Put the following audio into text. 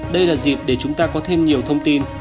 đây là dịp để chúng ta có thêm nhiều thông tin